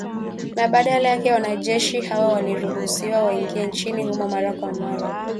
Na badala yake, wanajeshi hawa waliruhusiwa waingie nchini humo mara kwa mara